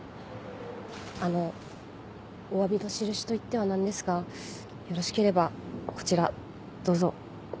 あのお詫びの印といっては何ですがよろしければこちらどうぞ。